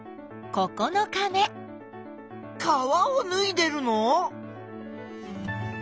かわをぬいでるの？